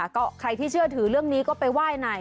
ก็ใครที่เชื่อถือเรื่องนี้ก็ไปไหว้หน่อย